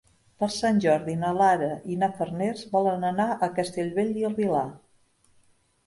Per Sant Jordi na Lara i na Farners volen anar a Castellbell i el Vilar.